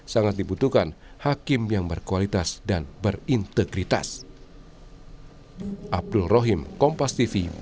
sangat dibutuhkan hakim yang berkualitas dan berintegritas